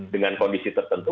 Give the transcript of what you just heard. dengan kondisi tertentu